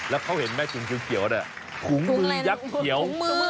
แล้วเขาเห็นแม่ถุงเกี่ยวถุงมือยักษ์เขียว